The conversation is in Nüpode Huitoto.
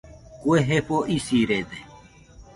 Kue jefo isirede